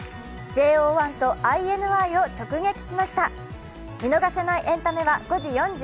ＪＯ１とＩＮＩを直撃しました。